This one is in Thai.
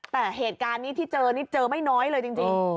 แต่เหตุการณ์นี้ที่เจอนี่เจอไม่น้อยเลยจริง